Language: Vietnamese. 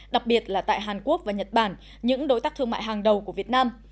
đặc biệt là tại hàn quốc và nhật bản những đối tác thương mại hàng đầu của việt nam